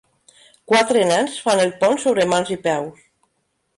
Quatre nens fan el pont sobre mans i peus.